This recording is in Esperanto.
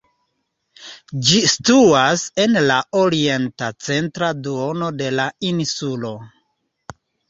Ĝi situas en la orienta centra duono de la insulo.